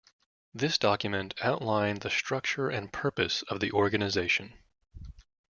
This document outlined the structure and purpose of the organization.